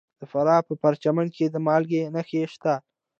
د فراه په پرچمن کې د مالګې نښې شته.